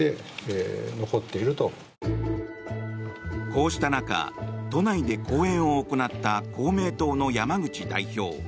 こうした中都内で講演を行った公明党の山口代表。